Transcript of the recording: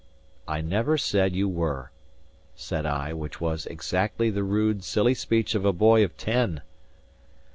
"I never said you were," said I, which was exactly the rude, silly speech of a boy of ten.